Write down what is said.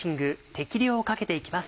適量をかけて行きます。